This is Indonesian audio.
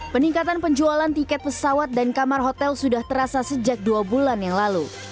peningkatan penjualan tiket pesawat dan kamar hotel sudah terasa sejak dua bulan yang lalu